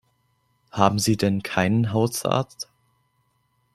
Haben Sie denn keinen Hausarzt?